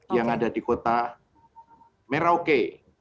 yang ada di kota merauke